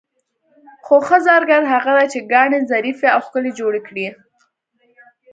خو ښه زرګر هغه دی چې ګاڼې ظریفې او ښکلې جوړې کړي.